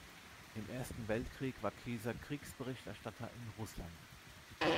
Im Ersten Weltkrieg war Kyser Kriegsberichterstatter in Russland.